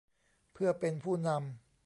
เพื่อเป็นผู้นำ